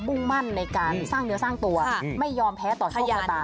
่งมั่นในการสร้างเนื้อสร้างตัวไม่ยอมแพ้ต่อโชคชะตา